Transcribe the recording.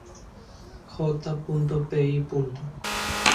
J. Pl.